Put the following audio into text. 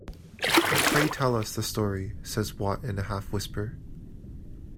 "Pray tell us the story," says Watt in a half whisper.